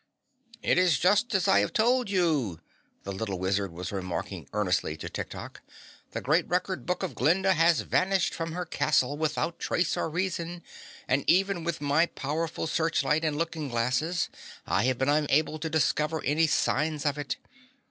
"It is just as I have told you," the little Wizard was remarking earnestly to Tik Tok. "The great record book of Glinda has vanished from her castle without trace or reason and even with my powerful searchlight and looking glasses I have been unable to discover any signs of it.